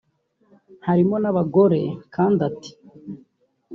harimo n’abagore kandi ati